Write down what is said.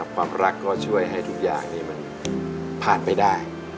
ความรักก็ช่วยให้ทุกอย่างมันผ่านไปได้